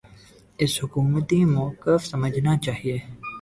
اسے حکومتی موقف سمجھنا چاہیے۔